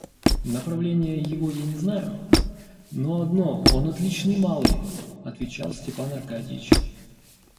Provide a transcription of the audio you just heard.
Направления его я не знаю, но одно — он отличный малый, — отвечал Степан Аркадьич.